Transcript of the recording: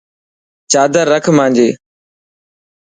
چادر رک مانجي.